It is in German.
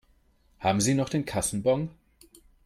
Haben Sie noch den Kassenbon?